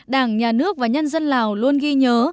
đảng nhà nước và nhân dân lào luôn ghi nhớ